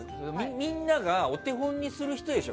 みんながお手本にする人でしょ